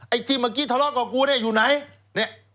ไอ้ที่เมื่อกี้ทะเลาะกับกูเนี่ยอยู่ไหนเนี่ย